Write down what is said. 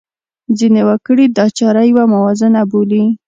ځینې وګړي دا چاره یوه موازنه بولي.